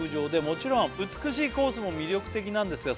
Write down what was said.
「もちろん美しいコースも魅力的なんですが」